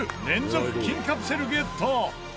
連続金カプセルゲット。